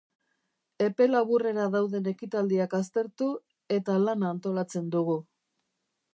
Epe laburrera dauden ekitaldiak aztertu, eta lana antolatzen dugu.